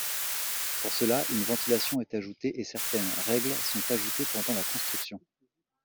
Pour cela, une ventilation est ajoutée et certaines règles sont ajoutées pendant la construction.